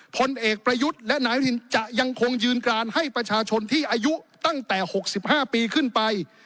ผลเอกประยุทธ์และนายอนุทินจะยังคงยืนกรานให้ประชาชนที่อายุตั้งแต่๖๕ปีขึ้นไป